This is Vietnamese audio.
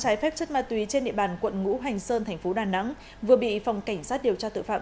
trái phép chất ma túy trên địa bàn quận ngũ hành sơn thành phố đà nẵng vừa bị phòng cảnh sát điều tra tội phạm